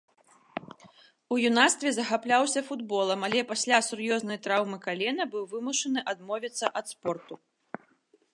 У юнацтве захапляўся футболам, але пасля сур'ёзнай траўмы калена быў вымушаны адмовіцца ад спорту.